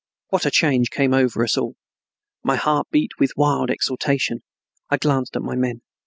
What a change had come over us all! My heart beat with wild exultation. I glanced at my men.